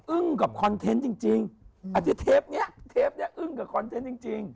อึ้งกับคอนเทนต์จริงอาจจะเทปนี้อึ้งกับคอนเทนต์จริง